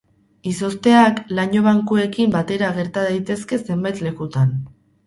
Izozteak laino bankuekin batera gerta daitezke zenbait lekutan.